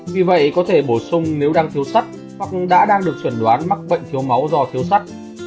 vì vậy có thể bổ sung nếu đang thiếu sắt hoặc đã đang được chuẩn đoán mắc bệnh thiếu máu do thiếu sắt